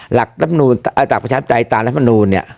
หลักรับประชาติไตรตามรัฐมนูนเนี่ย